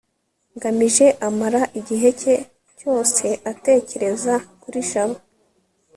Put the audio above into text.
ngamije amara igihe cye cyose atekereza kuri jabo